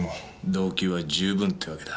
動機は十分てわけだ。